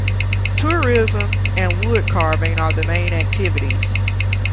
Tourism and woodcarving are the main activities.